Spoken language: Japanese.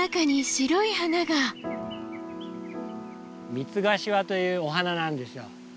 ミツガシワというお花なんですよ。